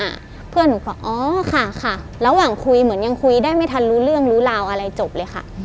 เพื่อนหนูก็อ๋อค่ะค่ะระหว่างคุยเหมือนยังคุยได้ไม่ทันรู้เรื่องรู้ราวอะไรจบเลยค่ะ